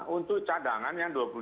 untuk cadangan yang dua puluh lima